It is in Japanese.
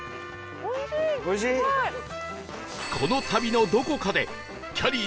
この旅のどこかできゃりー